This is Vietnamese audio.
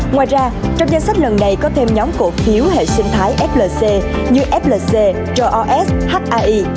ngoài ra trong danh sách lần này có thêm nhóm cổ phiếu hệ sinh thái flc như flc ros hai